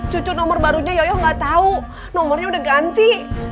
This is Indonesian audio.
cucu nomor barunya yoyo gak tahu nomornya udah ganti